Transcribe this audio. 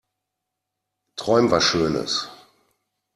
Träum was schönes.